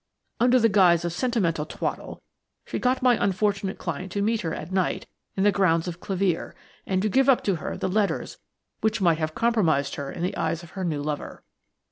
Under the guise of sentimental twaddle she got my unfortunate client to meet her at night in the grounds of Clevere and to give up to her the letters which might have compromised her in the eyes of her new lover.